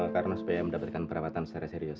karena supaya mendapatkan perawatan secara serius